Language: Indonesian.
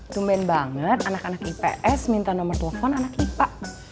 cuman banget anak anak ips minta nomor telepon anak ipa